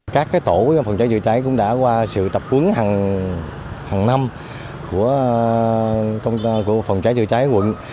các tổ phòng cháy chữa cháy cũng đã qua sự tập huấn hàng năm của phòng cháy chữa cháy quận